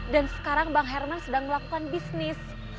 dan sekarang bang herman sedang melakukan bisnis